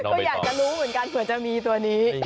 ก็อยากจะรู้เหมือนกันเผื่อจะมีตัวนี้